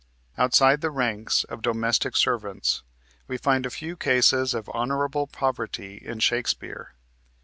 Outside the ranks of domestic servants we find a few cases of honorable poverty in Shakespeare.